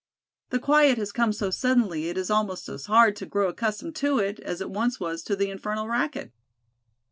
"The quiet has come so suddenly it is almost as hard to grow accustomed to it, as it once was to the infernal racket."